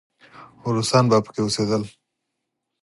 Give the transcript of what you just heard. روسان به پکې اوسېدل.